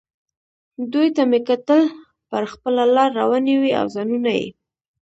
دوی ته مې کتل، پر خپله لار روانې وې او ځانونه یې.